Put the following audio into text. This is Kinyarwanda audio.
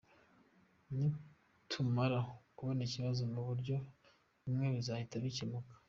Nitumara kubona ikibazo mu buryo bumwe bizahita bikemuka.